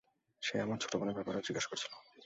সে আমার ছোট বোনের ব্যাপারেও জিজ্ঞাসা করছিল।